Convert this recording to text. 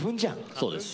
そうです。